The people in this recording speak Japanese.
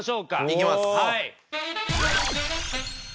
いきます。